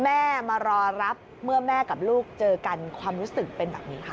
มารอรับเมื่อแม่กับลูกเจอกันความรู้สึกเป็นแบบนี้ค่ะ